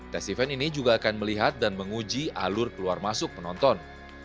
tes event ini juga akan melihat dan menguji alur keluar masuk penonton